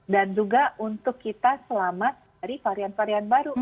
dan juga untuk kita selamat dari varian varian baru